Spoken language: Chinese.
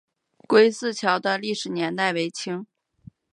归驷桥的历史年代为清。